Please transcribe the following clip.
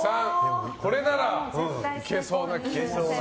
これならいけそうな気がします。